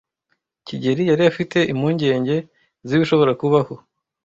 kigeli yari afite impungenge z'ibishobora kubaho.